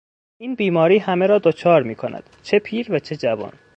این بیماری همه را دچار میکند چه پیر و چه جوان.